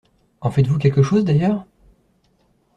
En faites-vous quelque chose, d’ailleurs?